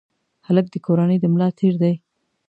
هلک د کورنۍ د ملا تیر دی.